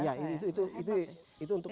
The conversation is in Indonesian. ya itu untuk menjaga